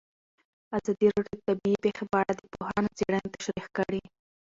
ازادي راډیو د طبیعي پېښې په اړه د پوهانو څېړنې تشریح کړې.